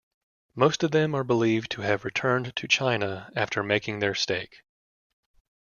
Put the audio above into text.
Most of them are believed to have returned to China after making their stake.